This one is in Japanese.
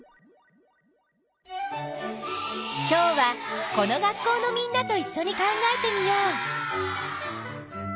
今日はこの学校のみんなといっしょに考えてみよう。